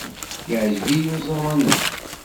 Yeɛjeb-iyi uẓawan-a.